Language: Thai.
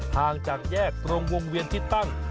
ทางจากแยกตรงวงเวียนที่ตั้ง